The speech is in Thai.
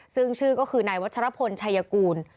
ซึ่งชื่อก็คือนายวัชรพลชายกูล